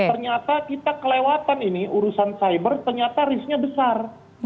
ternyata kita kelewatan ini urusan cyber ternyata risknya besar